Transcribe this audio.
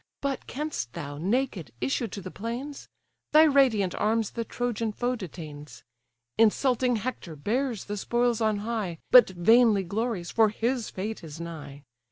But canst thou, naked, issue to the plains? Thy radiant arms the Trojan foe detains. Insulting Hector bears the spoils on high, But vainly glories, for his fate is nigh.